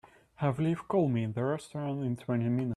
Have Liv call me in the restaurant in twenty minutes.